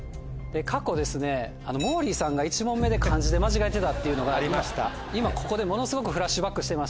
過去ですねモーリーさんが１問目で漢字で間違えてたっていうのが今ここでものすごく。